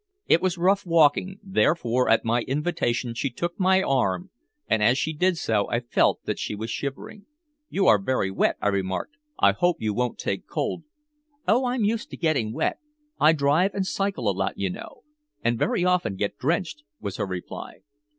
It was rough walking, therefore at my invitation she took my arm, and as she did so I felt that she was shivering. "You are very wet," I remarked. "I hope you won't take cold." "Oh! I'm used to getting wet. I drive and cycle a lot, you know, and very often get drenched," was her reply.